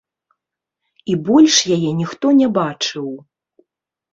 І больш яе ніхто не бачыў.